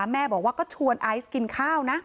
แม่บอกว่าก็ชวนไอซ์กินข้าวนะ